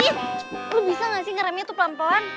lu bisa nggak sih ngeremeh itu pelan pelan